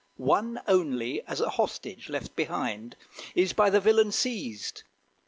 One only, as a hostage, left behind, Is by the villain seized.